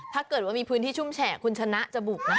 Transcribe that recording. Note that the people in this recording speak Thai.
ถ้าเกิดว่ามีพื้นที่ชุ่มแฉะคุณชนะจะบุกนะ